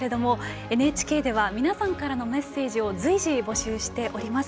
ＮＨＫでは皆さんからのメッセージを随時募集しています。